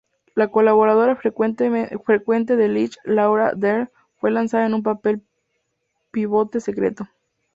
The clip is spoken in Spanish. La colaboradora frecuente de Lynch Laura Dern fue lanzada en un "papel pivote secreto".